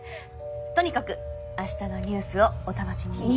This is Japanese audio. とにかく明日のニュースをお楽しみに。